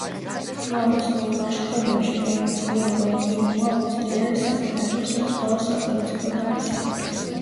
ჯვაროსნულ ლაშქრობებში მონაწილეობამ გენუა უძლიერეს სამხედრო-საზღვაო სახელმწიფოდ აქცია.